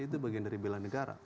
itu bagian dari bela negara